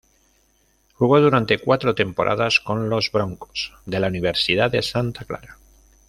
Jugó durante cuatro temporadas con los "Broncos" de la Universidad de Santa Clara.